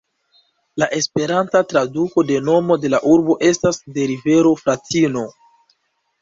La esperanta traduko de nomo de la urbo estas "de rivero "Fratino".